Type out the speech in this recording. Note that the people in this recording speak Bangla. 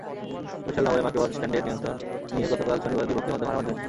বরিশাল নগরে মাইক্রোবাস স্ট্যান্ডের নিয়ন্ত্রণ নিয়ে গতকাল শনিবার দুই পক্ষের মধ্যে মারামারি হয়েছে।